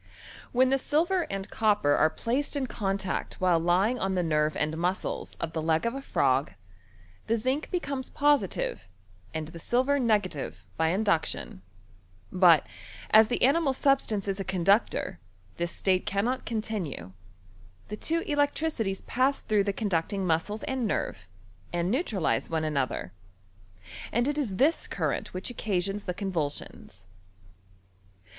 When the silver and copper are placed in contact while lying on the nerve and mus cles of the leg of a frog, the zinc becomes positive, and the silver negative, by induction ; but, as the animal substance is a conductor, this state cannot continue : the two electricities pass through the con ducting muscles and nerve, and neutralize one ano ther. And it is this current which occasions the convulsions.